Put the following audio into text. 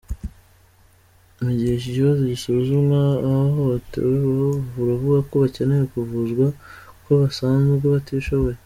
Mu gihe iki kibazo kigisuzumwa, abahohotewe bo baravuga ko bakeneye kuvuzwa kuko basanzwe batishoboye.